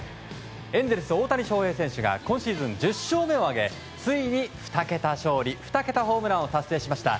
エンゼルスの大谷翔平選手が今シーズン１０勝目を挙げついに２桁勝利２桁ホームランを達成しました。